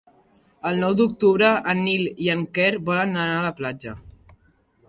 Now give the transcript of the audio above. El nou d'octubre en Nil i en Quer volen anar a la platja.